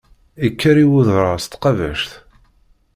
Ikker i wedrar s tqabact.